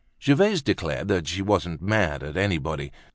Gervaise declared that she wasn't mad at anybody.